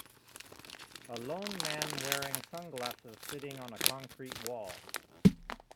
a lone man wearing sunglasses sitting on a concrete wall